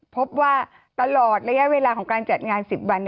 พบว่าตลอดระยะเวลาของการจัดงาน๑๐วัน